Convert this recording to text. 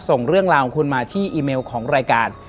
ส่งเรื่องราวของคุณมาที่อีเมลของรายการ